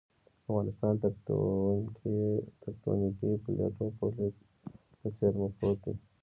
افغانستان تکتونیکي پلیټو پولې ته څېرمه پروت دی